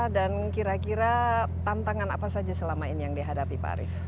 dan kira kira tantangan apa saja selama ini yang dihadapi pak arief